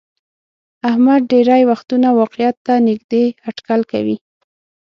احمد ډېری وختونه واقعیت ته نیږدې هټکل کوي.